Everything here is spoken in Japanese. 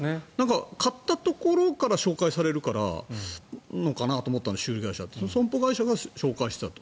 買ったところから紹介されるのかなと思ったんだけど損保会社が紹介していたと。